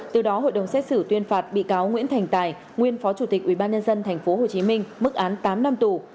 từ đó hội đồng xét xử tuyên phạt bị cáo nguyễn thành tài nguyên phó chủ tịch ubnd tp hcm mức án tám năm tù